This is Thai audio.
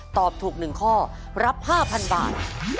ตอบถูก๑ข้อรับ๕๐๐๐บาท